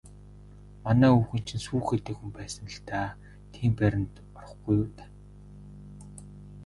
Манай өвгөн чинь сүүхээтэй хүн байсандаа л тийм байранд орохгүй юу даа.